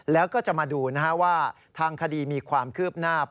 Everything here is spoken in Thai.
แล้วก็จะมาดูว่าทางคดีมีความคืบหน้า